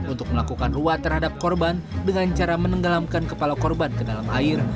untuk melakukan ruah terhadap korban dengan cara menenggelamkan kepala korban ke dalam air